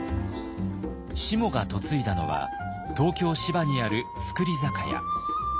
しもが嫁いだのは東京・芝にある造り酒屋。